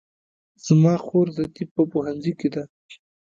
زما خور د طب په پوهنځي کې ده